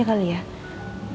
jangan jangan masalah nyariin aku